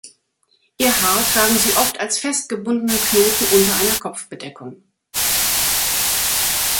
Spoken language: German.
Ihr Haar tragen sie oft als fest gebundenen Knoten unter einer Kopfbedeckung.